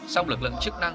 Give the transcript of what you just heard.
sau lực lượng chức năng